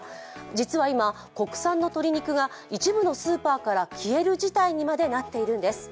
実は今、国産の鶏肉が一部のスーパーから消える事態になっているんです。